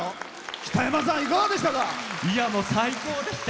北山さん、いかがでしたか？